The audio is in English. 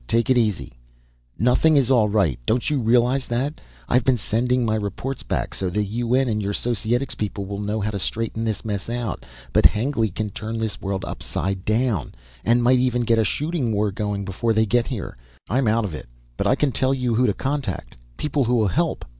Take it easy " "Nothing is all right don't you realize that. I've been sending my reports back, so the UN and your Societics people will know how to straighten this mess out. But Hengly can turn this world upside down and might even get a shooting war going before they get here. I'm out of it, but I can tell you who to contact, people who'll help.